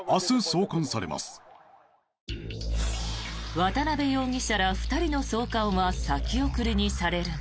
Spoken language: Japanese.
渡邉容疑者ら２人の送還は先送りにされるも